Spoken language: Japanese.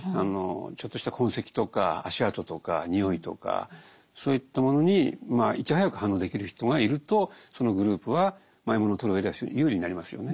ちょっとした痕跡とか足跡とか臭いとかそういったものにいち早く反応できる人がいるとそのグループは獲物を取るうえでは非常に有利になりますよね。